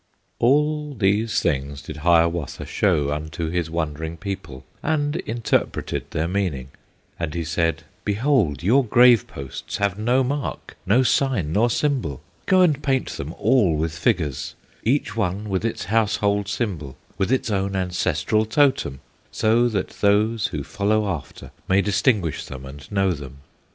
All these things did Hiawatha Show unto his wondering people, And interpreted their meaning, And he said: "Behold, your grave posts Have no mark, no sign, nor symbol, Go and paint them all with figures; Each one with its household symbol, With its own ancestral Totem; So that those who follow after May distinguish them and know them."